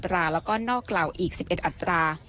แล้วก็นอกราวอีก๑๑อัตรา